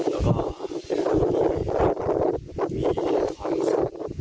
แล้วก็มีความสุข